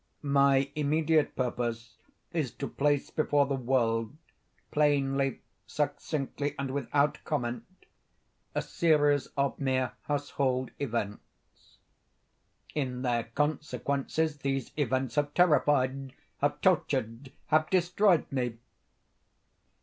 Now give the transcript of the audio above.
My immediate purpose is to place before the world, plainly, succinctly, and without comment, a series of mere household events. In their consequences, these events have terrified—have tortured—have destroyed me.